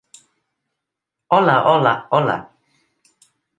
Hola, hola, hola.